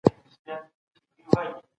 روښانه فکر ډار نه زیاتوي.